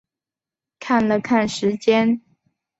看了看时间